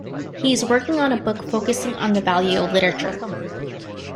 He is working on a book focusing on the value of literature.